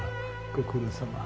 ご苦労さま。